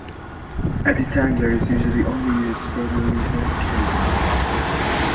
A detangler is usually only used for the rear brake cable.